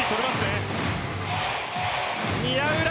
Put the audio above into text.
宮浦